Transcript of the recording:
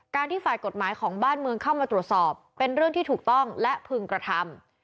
ที่ฝ่ายกฎหมายของบ้านเมืองเข้ามาตรวจสอบเป็นเรื่องที่ถูกต้องและพึงกระทำ